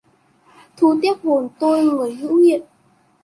Thu tiếp hồn tôi người hữu hiện